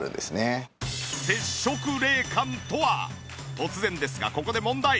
突然ですがここで問題。